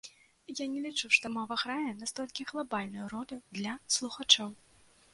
Я не лічу, што мова грае настолькі глабальную ролю для слухачоў.